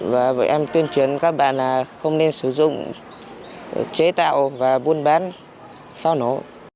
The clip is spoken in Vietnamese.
và bọn em tuyên truyền các bạn là không nên sử dụng chế tạo và buôn bán pháo nổ